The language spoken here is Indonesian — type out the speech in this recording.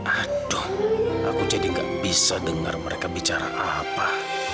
aduh aku jadi gak bisa dengar mereka bicara apa